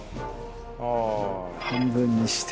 半分にして。